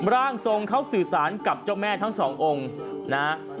ร่างทรงเขาสื่อสารกับเจ้าแม่ทั้งสององค์นะฮะ